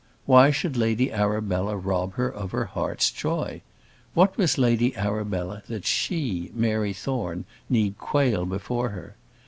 Why should Lady Arabella rob her of her heart's joy? What was Lady Arabella that she, Mary Thorne, need quail before her?